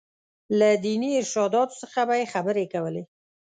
له ديني ارشاداتو څخه به یې خبرې کولې.